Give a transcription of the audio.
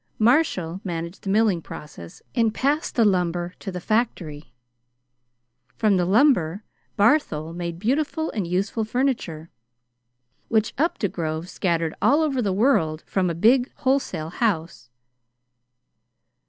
Marshall managed the milling process and passed the lumber to the factory. From the lumber, Barthol made beautiful and useful furniture, which Uptegrove scattered all over the world from a big wholesale house.